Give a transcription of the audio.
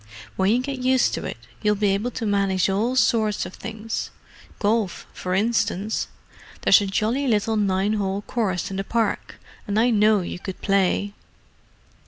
When you get used to it, you'll be able to manage all sorts of things. Golf, for instance—there's a jolly little nine hole course in the park, and I know you could play."